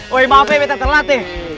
woy maaf ya bete terlalu latih